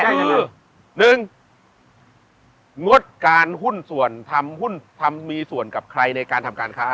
ก็คือ๑งดการหุ้นส่วนทำหุ้นทำมีส่วนกับใครในการทำการค้า